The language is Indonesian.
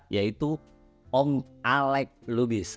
yaitu om alec lubis